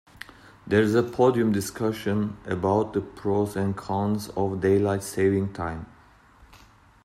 There's a podium discussion about the pros and cons of daylight saving time.